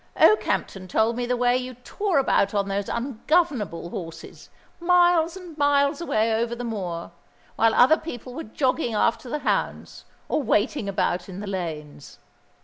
Okehampton told me the way you tore about on those ungovernable horses, miles and miles away over the moor, while other people were jogging after the hounds, or waiting about in the lanes.